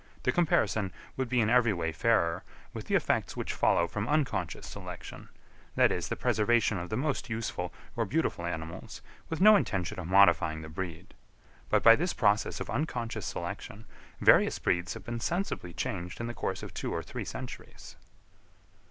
The comparison would be in every way fairer with the effects which follow from unconscious selection, that is, the preservation of the most useful or beautiful animals, with no intention of modifying the breed; but by this process of unconscious selection, various breeds have been sensibly changed in the course of two or three centuries.